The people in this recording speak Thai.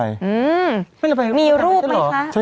สวัสดีครับคุณผู้ชม